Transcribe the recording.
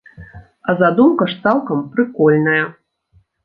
А задумка ж цалкам прыкольная!